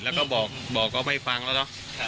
แล้วก็บอกก็ไม่ฟังแล้วเนอะ